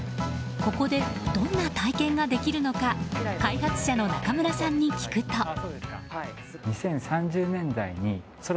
ここで、どんな体験ができるのか開発者の中村さんに聞くと。